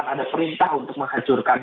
ada perintah untuk menghancurkan